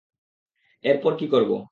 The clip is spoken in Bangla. এরপর কী করব?